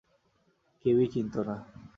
কেউই চিনতো না।